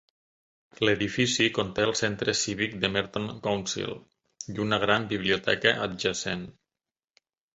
L'edifici conté el centre cívic de Merton Council i una gran biblioteca adjacent.